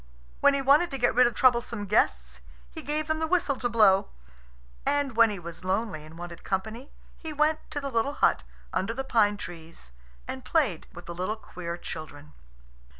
When he wanted to get rid of troublesome guests, he gave them the whistle to blow. And when he was lonely and wanted company, he went to the little hut under the pine trees and played with the little queer children.